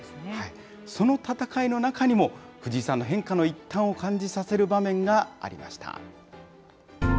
その戦いの中にも、藤井さんの変化の一端を感じさせる場面がありました。